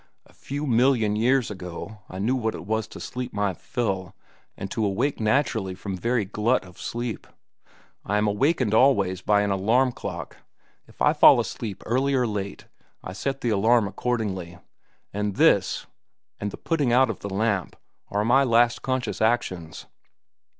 A few million years ago I knew what it was to sleep my fill and to awake naturally from very glut of sleep. I am awakened always now by an alarm clock. If I fall asleep early or late, I set the alarm accordingly; and this, and the putting out of the lamp, are my last conscious actions.